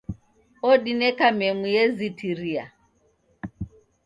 Odineka memu yezitiria